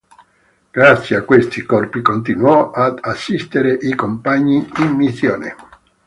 Grazie a questi corpi continuò ad assistere i compagni in missione.